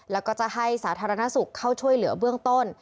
แล้วก็จะให้สาธารณสุขเข้าช่วยเหลือเบื้องต้น